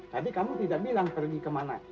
tapi kamu tidak bilang pergi kemana